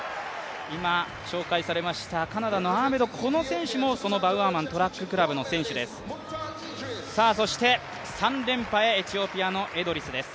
今紹介されましたカナダの選手もバウアーマン・トラッククラブの選手です。